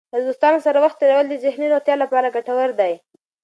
له دوستانو سره وخت تېرول د ذهني روغتیا لپاره ګټور دی.